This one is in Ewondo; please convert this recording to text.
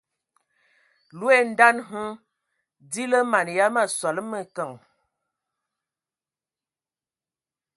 Loe daan hm di lǝ mana ya ma sole mǝkǝŋ.